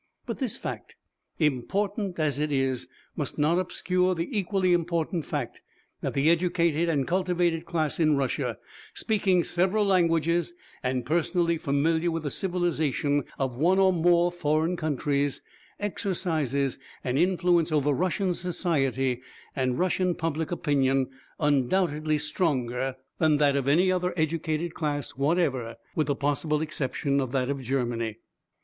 But this fact, important as it is, must not obscure the equally important fact that the educated and cultivated class in Russia, speaking several languages, and personally familiar with the civilisation of one or more foreign countries, exercises an influence over Russian society and Russian public opinion undoubtedly stronger than that of any other educated class whatever with the possible exception of that of Germany.